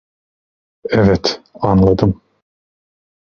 Evet, anladım.